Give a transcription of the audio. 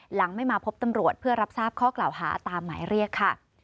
หลังไม่มาพบตำรวจเพื่อรับทราบข้อกล่าวหาตามหมายเรียกค่ะ